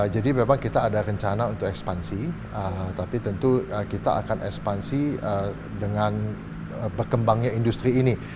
jadi memang kita ada rencana untuk ekspansi tapi tentu kita akan ekspansi dengan berkembangnya industri ini